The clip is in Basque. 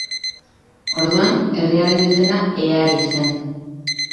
Orduan, herriaren izena Ehari zen.